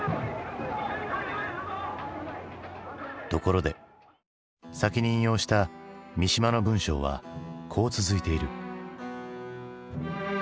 ところで先に引用した三島の文章はこう続いている。